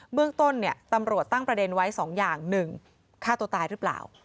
เบื้องต้นเนี่ยตำรวจตั้งประเด็นไว้สองอย่างหนึ่งฆ่าตัวตายหรือเปล่า